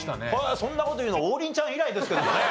そんな事言うの王林ちゃん以来ですけどね。